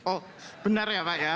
oh benar ya pak ya